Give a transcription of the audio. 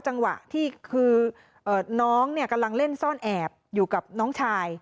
จังหวะที่คือน้องกำลังเล่นซ่อนแอบอยู่กับน้องชาย